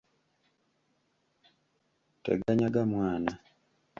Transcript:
Teganyaga mwana.